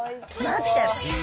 待って。